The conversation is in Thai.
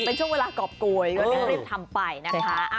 เป็นช่วงเวลากรอบโกยเริ่มทำไปนะคะ